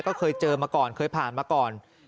ก็เคยเจอมาก่อนเคยผ่านมาก่อน